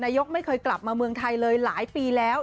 ยกไม่เคยกลับมาเมืองไทยเลยหลายปีแล้ว